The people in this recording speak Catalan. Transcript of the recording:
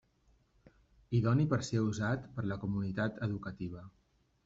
Idoni per ser usat per la comunitat educativa.